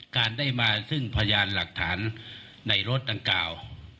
การได้มาซึ่งพยานหลักฐานในรถดังกล่าว